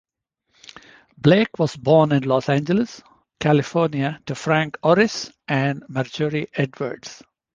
Blake was born in Los Angeles, California to Frank Orris and Marjorie Edwards.